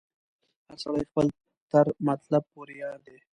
هر سړی خپل تر مطلب پوري یار دی